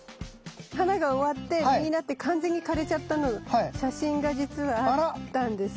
花が終わって実になって完全に枯れちゃった写真がじつはあったんですよ。